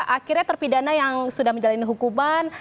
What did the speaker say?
akhirnya terpidana yang sudah menjalani hukuman